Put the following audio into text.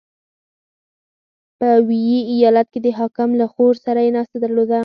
• په ویي ایالت کې د حاکم له خور سره یې ناسته درلوده.